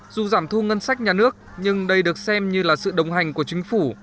dù giảm thu ngân sách nhà nước nhưng đây được xem như là sự đồng hành của chính phủ